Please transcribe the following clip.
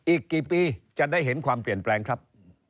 อีกกี่ปีจะได้เห็นความเปลี่ยนแปลงครับ